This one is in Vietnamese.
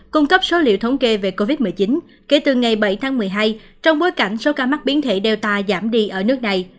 cung cấp số liệu thống kê về covid một mươi chín kể từ ngày bảy tháng một mươi hai trong bối cảnh số ca mắc biến thể data giảm đi ở nước này